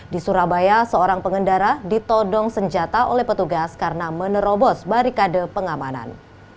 di surabaya seorang pengendara ditodong senjata oleh petugas karena menerobos barikade pengamanan